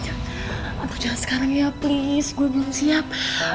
aku jangan sekarang ya please gue belum siap